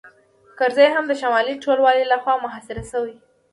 کرزی هم د شمالي ټلوالې لخوا محاصره شوی و